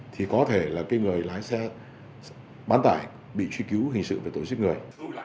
thì có thể là người lái xe bán tải bị truy cứu hình sự về tội giết người